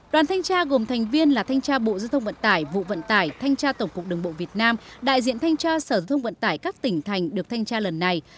đoàn thanh tra gồm thành viên là thanh tra bộ giao thông vận tải vụ vận tải thanh tra tổng cục đường bộ việt nam đại diện thanh tra sở thông vận tải các tỉnh thành được thanh tra lần này